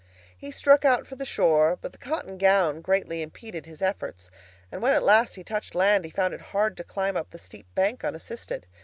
He struck out for the shore, but the cotton gown greatly impeded his efforts, and when at length he touched land he found it hard to climb up the steep bank unassisted.